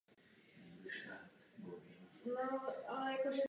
Ale i kdyby nehlídali, já bych jistě nemohla, nechtěla a ani nedovedla.